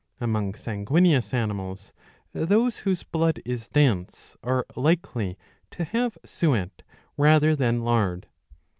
* Among sanguineous animals those whose blood is dense are likely to have suet rather than lard.